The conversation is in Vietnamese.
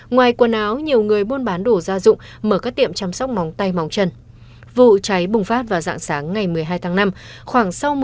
ngoài quần áo nhiều người việt bị mất giấy tờ